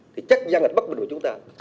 thì chắc răng là bất bình của chúng ta